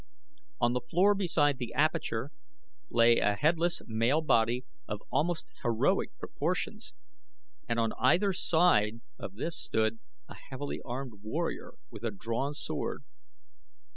On the floor beside the aperture lay a headless male body of almost heroic proportions, and on either side of this stood a heavily armed warrior, with drawn sword.